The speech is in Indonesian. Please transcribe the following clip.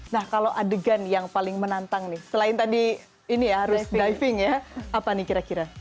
nah kalau adegan yang paling menantang nih selain tadi ini ya harus diving ya apa nih kira kira